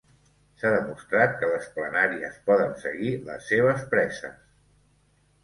S'ha demostrat que les planàries poden seguir les seves preses.